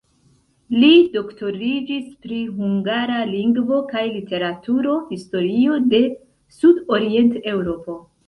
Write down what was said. Li doktoriĝis pri hungara lingvo kaj literaturo, historio de Sudorient-Eŭropo.